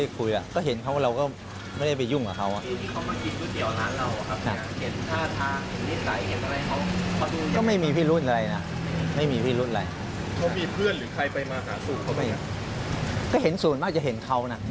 อีกคนเดียวหรือแฟนไม่มีอยาก